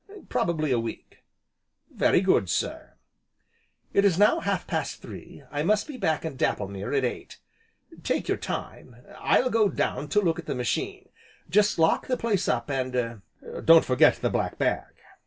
"Probably a week." "Very good, sir." "It is now half past three, I must be back in Dapplemere at eight. Take your time I'll go down to look at the machine. Just lock the place up, and er don't forget the black bag."